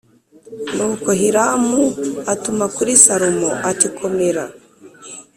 Nuko Hiramu atuma kuri Salomo ati komera